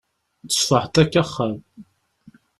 Tesfuḥeḍ akk axxam.